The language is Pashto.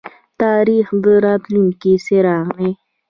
تاریخ د راتلونکي څراغ دی